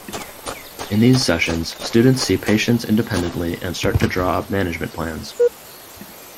In these sessions, students see patients independently and start to draw up management plans.